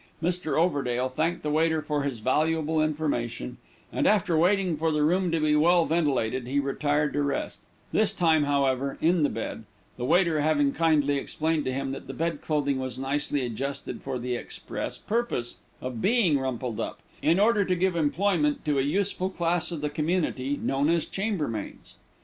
Mr. Overdale thanked the waiter for his valuable information, and after waiting for the room to be well ventilated, he retired to rest this time, however, in the bed, the waiter having kindly explained to him that the bed clothing was nicely adjusted for the express purpose of being rumpled up, in order to give employment to a useful class of the community known as chambermaids.